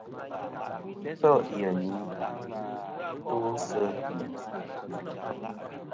Ifêl yèyn ì nɨn to sɨ mèsì.